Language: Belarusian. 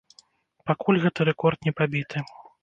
Пакуль гэты рэкорд не пабіты.